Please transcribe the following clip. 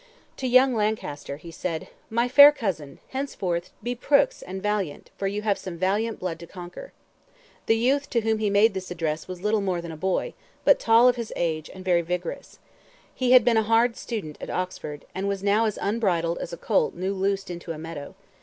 To young Lancaster, he said, "My fair cousin, henceforth, be preux and valiant, for you have some valiant blood to conquer." The youth to whom he made this address was little more than a boy, but tall of his age, and very vigorous. He had been a hard student at Oxford, and was now as unbridled as a colt new loosed into a meadow.